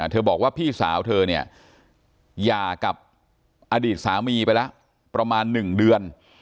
บอกว่าพี่สาวเธอเนี่ยหย่ากับอดีตสามีไปแล้วประมาณ๑เดือน